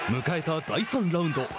迎えた第３ラウンド。